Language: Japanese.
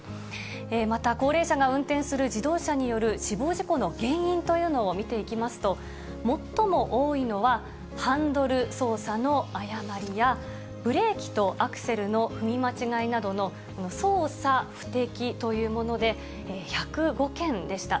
また、高齢者が運転する自動車による死亡事故の原因というのを見ていきますと、最も多いのは、ハンドル操作の誤りや、ブレーキとアクセルの踏み間違いなどの操作不適というもので１０５件でした。